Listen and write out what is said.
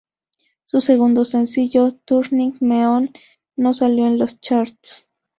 Su segundo sencillo, "Turning Me On", no salió en los charts.